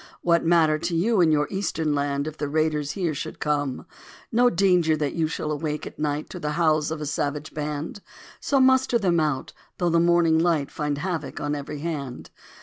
What matter to you in your eastern land If the raiders here should come? No danger that you shall awake at night To the howls of a savage band; So muster them out, though the morning light Find havoc on every hand.